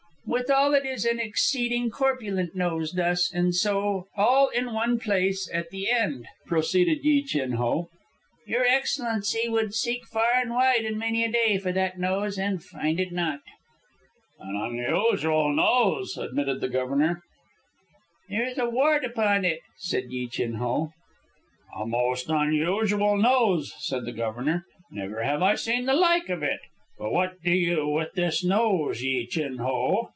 "Withal it is an exceeding corpulent nose, thus, and so, all in one place, at the end," proceeded Yi Chin Ho. "Your Excellency would seek far and wide and many a day for that nose and find it not!" "An unusual nose," admitted the Governor. "There is a wart upon it," said Yi Chin Ho. "A most unusual nose," said the Governor. "Never have I seen the like. But what do you with this nose, Yi Chin Ho?"